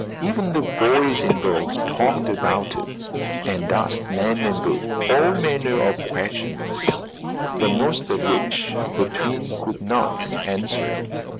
Even the boys and girls talked about it and asked Nan and Bert all manner of questions, the most of which the twins could not answer.